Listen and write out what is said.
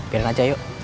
biarin aja yuk